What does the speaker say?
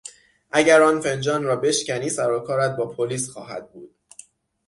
اگر آن فنجان را بشکنی سرو کارت با پلیس خواهد بود.